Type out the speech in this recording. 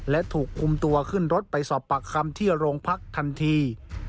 และถูกคุมตัวขึ้นรถไปสอบปากคำที่โรงพักทันที